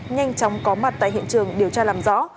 nhanh chóng có mặt tại hiện trường điều tra làm rõ